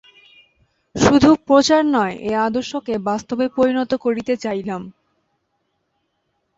শুধু প্রচার নয়, এই আদর্শকে বাস্তবে পরিণত করিতে চাহিলাম।